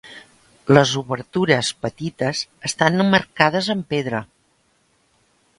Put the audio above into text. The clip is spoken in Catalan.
Les obertures, petites, estan emmarcades en pedra.